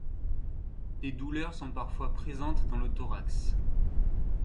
Des douleurs sont parfois présentes dans le thorax.